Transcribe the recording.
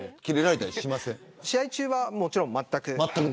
試合中はもちろんまったく。